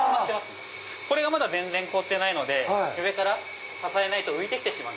これがまだ全然凍ってないので上から支えないと浮いてしまう。